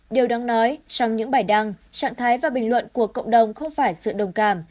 điều đáng nói trong những bài đăng trạng thái và bình luận của cộng đồng không phải sự đồng cảm